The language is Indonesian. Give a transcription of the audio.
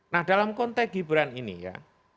nah dalam konteks gibran ini ya